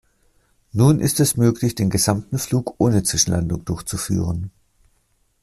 Nun ist es möglich, den gesamten Flug ohne Zwischenlandungen durchzuführen.